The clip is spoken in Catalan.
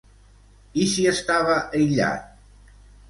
I si estava aïllat?